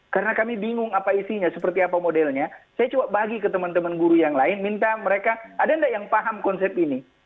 karena kami bingung apa isinya seperti apa modelnya saya coba bagi ke teman teman guru yang lain minta mereka ada nggak yang paham konsep ini